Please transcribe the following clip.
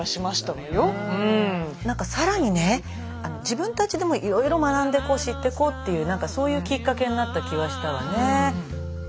なんか更にね自分たちでもいろいろ学んで知っていこうっていうそういうきっかけになった気はしたわね。